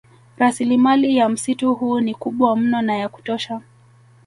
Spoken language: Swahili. Rasilimali ya msitu huu ni kubwa mno na ya kutosha